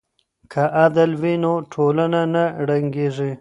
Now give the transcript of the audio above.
که عدل وي نو ټولنه نه ړنګیږي.